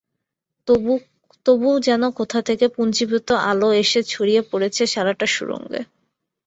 তবুও যেন কোথা থেকে পুঞ্জীভূত আলো এসে ছড়িয়ে পড়েছে সারাটা সুড়ঙ্গে।